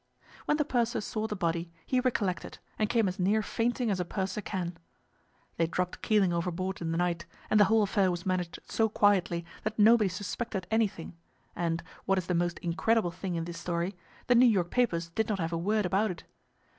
When the purser saw the body, he recollected, and came as near fainting as a purser can. They dropped Keeling overboard in the night, and the whole affair was managed so quietly that nobody suspected anything, and, what is the most incredible thing in this story, the New York papers did not have a word about it.